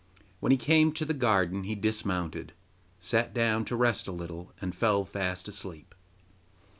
When he came to the garden he dismounted, sat down to rest a little, and fell fast asleep.